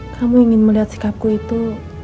kamu ingin melihat sikapku itu